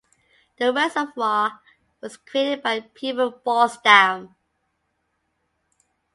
The reservoir was created by the Peavy Falls Dam.